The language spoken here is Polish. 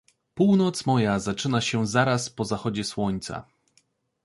Północ moja zaczyna się zaraz po zachodzie słońca.